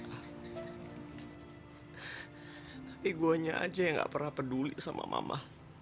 tapi gue aja yang gak pernah peduli sama mama